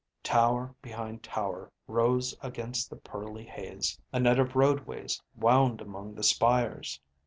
Tower behind tower rose against the pearly haze. A net of roadways wound among the spires.